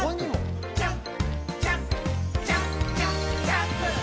「ジャンプジャンプジャンプジャンプジャンプ」